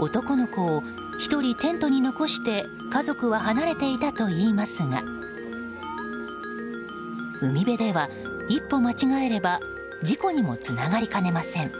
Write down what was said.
男の子を１人テントに残して家族は離れていたといいますが海辺では一歩間違えれば事故にもつながりかねません。